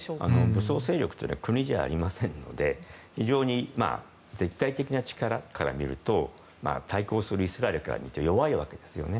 武装勢力というのは国じゃありませんので非常に絶対的な力から見ると対抗するイスラエルから見ると弱いわけですよね。